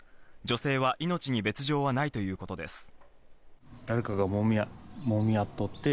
女性は命に別条はないということです。